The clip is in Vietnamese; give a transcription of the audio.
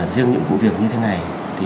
riêng những vụ việc như thế này